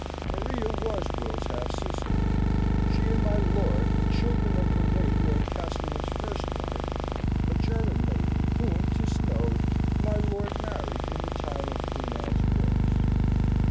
Maria was Will's half sister. She and my lord were children of the late Lord Castlewood's first wife, a German lady, whom, 'tis known, my lord married in the time of Queen Anne's wars.